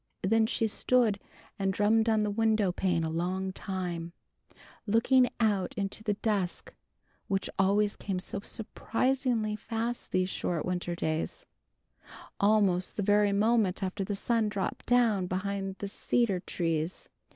Then she stood and drummed on the window pane a long time, looking out into the dusk which always came so surprisingly fast these short winter days, almost the very moment after the sun dropped down behind the cedar trees.